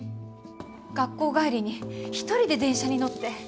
学校帰りに一人で電車に乗って。